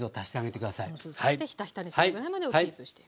水を足してひたひたにするぐらいまでをキープしていくと。